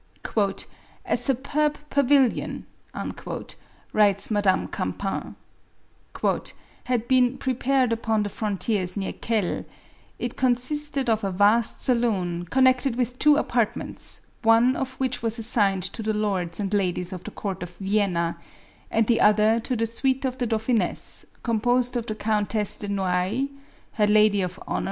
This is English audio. " A superb pavilion," writes Madame Campan, "had been prepared upon the frontiers near Kell : it consisted of a vast saloon, connected with two apartments, one of which was assigned to the lords and ladies of the court of Vienna, and the other to the suite of the dauphiness, composed of the Countess de Noailles, her lady of hon MARIE ANTOINETTE.